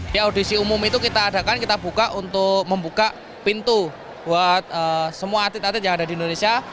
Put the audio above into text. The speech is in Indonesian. di audisi umum itu kita adakan kita buka untuk membuka pintu buat semua atlet atlet yang ada di indonesia